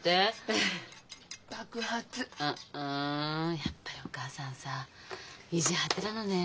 やっぱりお義母さんさ意地張ってたのねえ。